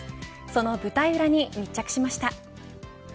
その舞台裏に密着しました。